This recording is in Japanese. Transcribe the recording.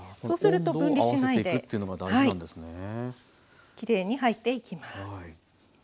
そうすると分離しないできれいに入っていきます。